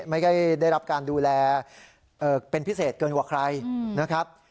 ไม่ได้ได้รับการดูแลเป็นพิเศษเกินกว่าใครนะครับ